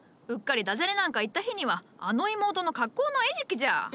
うっかりダジャレなんか言った日にはあの妹の格好の餌食じゃ！